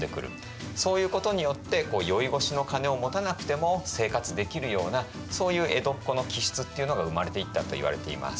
そういうことによって宵越しの金を持たなくても生活できるようなそういう江戸っ子の気質っていうのが生まれていったといわれています。